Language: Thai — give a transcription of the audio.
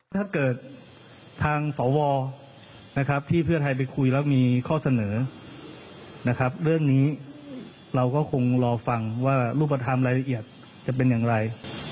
ถ้าเกิดทางสวนะครับที่เพื่อไทยไปคุยแล้วมีข้อเสนอนะครับเรื่องนี้เราก็คงรอฟังว่ารูปธรรมรายละเอียดจะเป็นอย่างไร